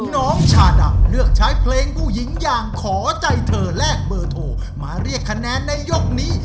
น้องชาดำเลือกใช้เพลงผู้หญิงอย่างขอใจเธอแลกเบอร์โทรมาเรียกคะแนนในยกนี้